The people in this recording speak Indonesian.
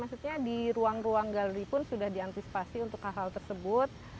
maksudnya di ruang ruang galeri pun sudah diantisipasi untuk hal hal tersebut